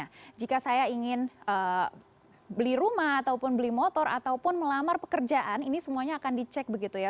nah jika saya ingin beli rumah ataupun beli motor ataupun melamar pekerjaan ini semuanya akan dicek begitu ya